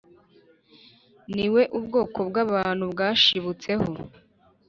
ni we ubwoko bw’abantu bwashibutseho;